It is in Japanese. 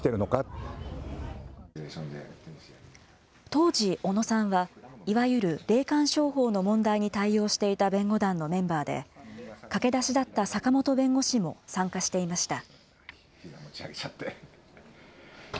当時、小野さんは、いわゆる霊感商法の問題に対応していた弁護団のメンバーで、駆け出しだった坂本弁護士も参加していました。